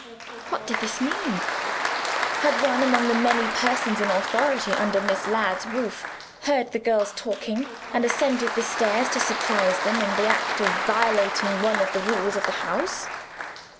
What did this mean? Had one among the many persons in authority under Miss Ladd's roof heard the girls talking, and ascended the stairs to surprise them in the act of violating one of the rules of the house?